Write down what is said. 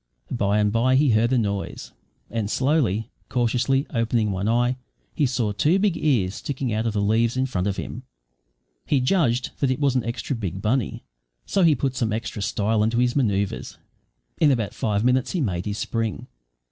By and bye he heard a noise, and slowly, cautiously opening one eye, he saw two big ears sticking out of the leaves in front of him. He judged that it was an extra big bunny, so he put some extra style into his manoeuvres. In about five minutes he made his spring.